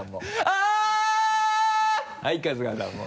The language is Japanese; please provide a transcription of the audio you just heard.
あぁっ！はい春日さんも。